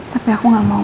tapi aku gak mau